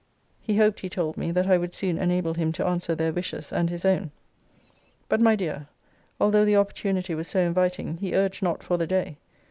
He hoped, he told me, that I would soon enable him to answer their wishes and his own. But, my dear, although the opportunity was so inviting, he urged not for the day.